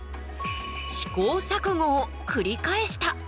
試行錯誤をくり返した。